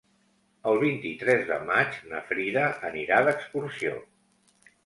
El vint-i-tres de maig na Frida anirà d'excursió.